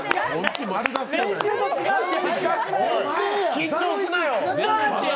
緊張すなよ！